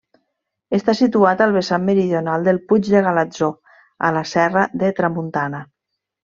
Està situat al vessant meridional del Puig de Galatzó, a la Serra de Tramuntana.